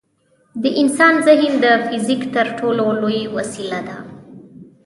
د انسان ذهن د فزیک تر ټولو لوی وسیله ده.